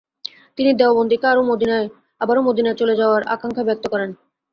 তিনি দেওবন্দিকে আবারাে মদিনার চলে যাওয়ার আকাঙ্খা ব্যক্ত করেন।